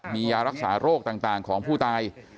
มียารักษาโรคต่างของผู้ตาย